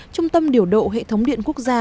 trung tâm điều đội hệ thống điện quốc gia